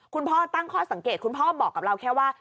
คุณพ่อตั้งข้อสังเกตคุณพ่อบอกกับเราแค่ว่า